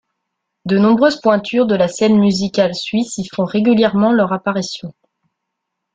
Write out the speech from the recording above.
De nombreuses pointures de la scène musicale suisse y font régulièrement leur apparition.